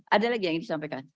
ada lagi yang ingin disampaikan